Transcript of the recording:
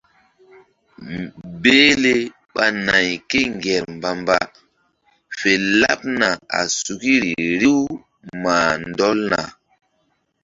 Behle ɓa nay ké ŋger mbamba fe laɓna a sukiri riw mah ndɔlna.